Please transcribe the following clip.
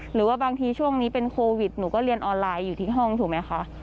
หรือว่าบางทีช่วงนี้เป็นโควิดหนูก็เรียนออนไลน์อยู่ที่ห้องถูกไหมคะ